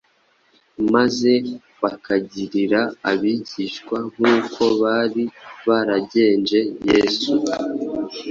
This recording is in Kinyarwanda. maze bakagirira abigishwa nk’uko bari baragenje Yesu.